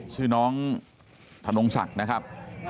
ชื่อน้องธนงศักดิ์นะครับ